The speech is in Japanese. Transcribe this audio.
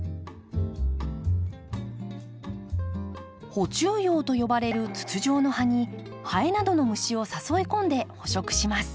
捕虫葉と呼ばれる筒状の葉にハエなどの虫を誘い込んで捕食します。